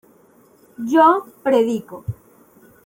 yo predico